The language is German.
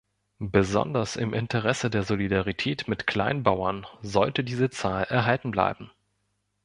Besonders im Interesse der Solidarität mit Kleinbauern sollte diese Zahl erhalten bleiben.